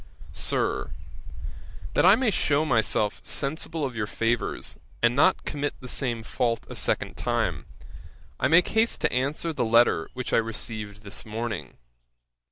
'SIR, 'That I may shew myself sensible of your favours, and not commit the same fault a second time, I make haste to answer the letter which I received this morning.